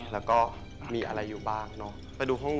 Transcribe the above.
ไปดูห้องนู้นก่อนมั้ยอ่ะป่ะ